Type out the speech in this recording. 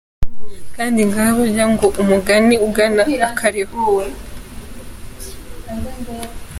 Kandi ga burya ngo umugani ugana akariho!